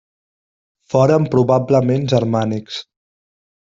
Foren probablement germànics.